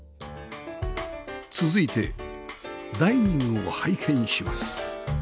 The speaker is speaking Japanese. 続いてダイニングを拝見します